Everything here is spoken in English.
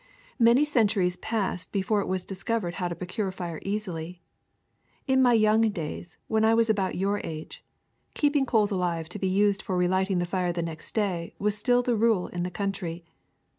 *^Many centuries passed before it was discovered how to procure fire easily. In my young days, when I was about your age, keeping coals alive to be used for relighting the fire next day was still the rule in the country.